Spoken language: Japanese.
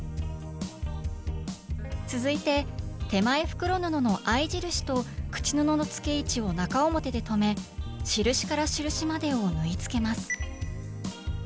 続いて手前袋布の合い印と口布の付け位置を中表で留め印から印までを縫いつけます